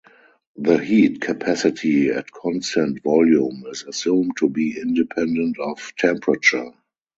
The heat capacity at constant volume is assumed to be independent of temperature.